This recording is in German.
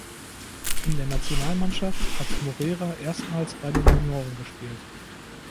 In der Nationalmannschaft hat Moreira erstmals bei den Junioren gespielt.